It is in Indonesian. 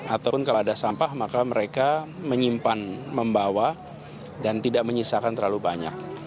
ataupun kalau ada sampah maka mereka menyimpan membawa dan tidak menyisakan terlalu banyak